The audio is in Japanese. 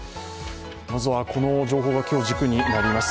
まずは、この情報が今日、軸になります。